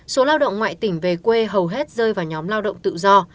số lao động ngoại tỉnh về quê hầu hết rơi vào nhóm lao động tự do